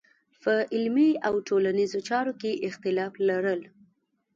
په علمي او ټولنیزو چارو کې اختلاف لرل.